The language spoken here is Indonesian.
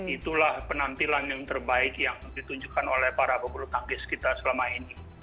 itulah penampilan yang terbaik yang ditunjukkan oleh para pebulu tangkis kita selama ini